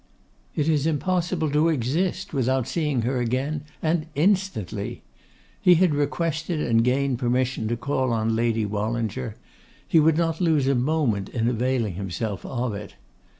It is impossible to exist without seeing her again, and instantly. He had requested and gained permission to call on Lady Wallinger; he would not lose a moment in availing himself of it.